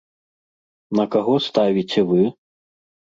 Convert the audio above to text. На каго ставіце вы?